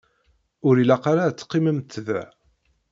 Ur ilaq ara ad teqqimemt da.